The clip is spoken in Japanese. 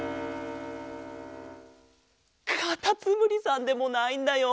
かたつむりさんでもないんだよ。